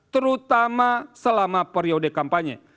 terutama selama periode kampanye